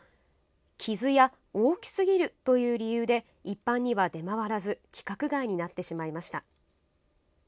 傷や大きすぎるという理由で一般には出回らず規格外になってしまいました。